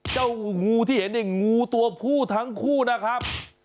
งูที่เห็นเนี่ยงูตัวผู้ทั้งคู่นะครับ